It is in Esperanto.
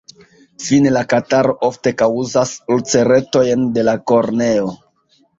Fine la kataro ofte kaŭzas ulceretojn de la korneo.